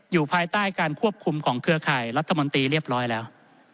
อยู่ภายใต้การควบคุมของเครือข่ายรัฐมนตรีเรียบร้อยแล้ว